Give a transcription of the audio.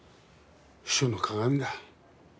秘書の鑑だ。